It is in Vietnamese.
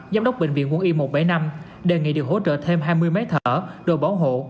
giám đốc bệnh viện quân y một trăm bảy mươi năm đề nghị được hỗ trợ thêm hai mươi máy thở đồ bảo hộ